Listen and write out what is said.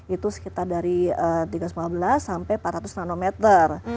itu sekitar dari tiga ratus lima belas sampai empat ratus nanometer